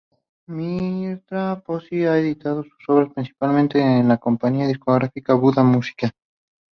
Mirtha Pozzi ha editado sus obras principalmente en la compañía discográfica Buda musique.